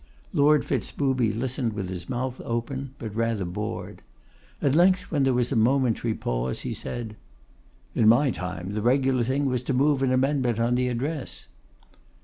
Lord Fitz Booby listened with his mouth open, but rather bored. At length, when there was a momentary pause, he said: 'In my time, the regular thing was to move an amendment on the address.